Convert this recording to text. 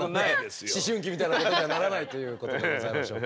そんなね思春期みたいなことにはならないということでございましょうか。